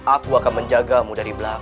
aku akan menjagamu dari belakang